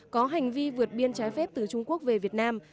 có hành vi vượt biên trái phép từ trung quốc về việt nam